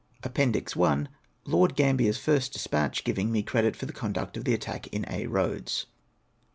11. D D 403 APPENDIX I. LOKD GAMBIEE'S FIRST DESPATCH, GIVING ME CREDIT FOR THE CONDUCT OF THE ATTACK IN AIX ROADS.